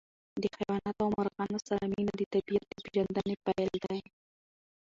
د حیواناتو او مرغانو سره مینه د طبیعت د پېژندنې پیل دی.